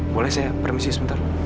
boleh saya permisi sebentar